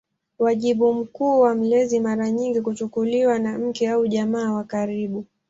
Wajibu mkuu wa mlezi mara nyingi kuchukuliwa na mke au jamaa wa karibu.